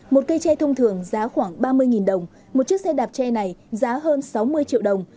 một cây tre thông thường giá khoảng ba mươi đồng một chiếc xe đạp tre này giá hơn sáu mươi triệu đồng